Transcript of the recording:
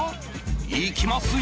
いきますよ！